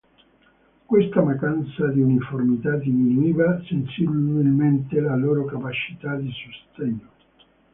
Questa mancanza di uniformità diminuiva sensibilmente la loro capacità di sostegno.